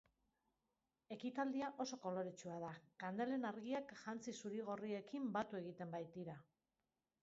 Ekitaldia oso koloretsua da, kandelen argiak jantzi zuri-gorriekin batu egiten baitira.